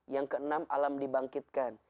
yang keenam alam dibangkitkan